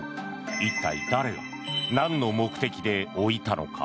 一体、誰がなんの目的で置いたのか。